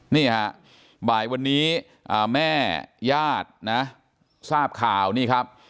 นี่ฮะบ่ายวันนี้แม่ญาตินะทราบข่าวนี่ครับ